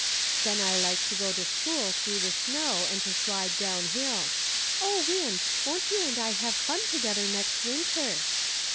Then I like to go to school through the snow, and to slide down hill. O, Win ! won't you and I have fun together next winter